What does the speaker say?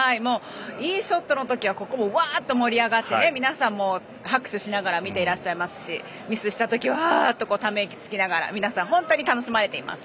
いいショットの時はここもわーっと盛り上がって皆さんも拍手しながら見ていらっしゃいますしミスした時はため息をつきながら皆さん、本当に楽しまれています。